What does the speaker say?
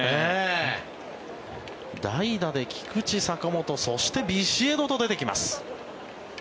代打で菊池、坂本そして、ビシエドと出てきます。